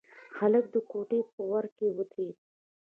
هلک د کوټې په وره کې ودرېد.